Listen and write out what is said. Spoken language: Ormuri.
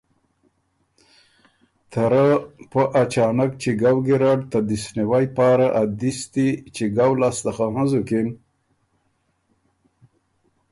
ته رۀ پۀ اچانک چِګؤ ګیرډ ته دِست نیوئ پاره ا دِستی چِګؤ لاسته خه هںزُکِن